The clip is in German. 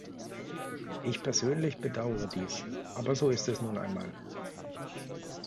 Ich persönlich bedauere dies, aber so ist es nun einmal.